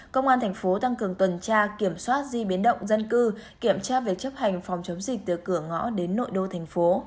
công an thành phố tăng cường tuần tra kiểm soát di biến động dân cư kiểm tra việc chấp hành phòng chống dịch từ cửa ngõ đến nội đô thành phố